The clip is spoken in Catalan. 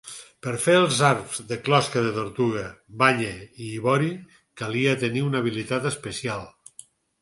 Per fer els "zarfs" de closca de tortuga, banya i ivori calia tenir una habilitat especial.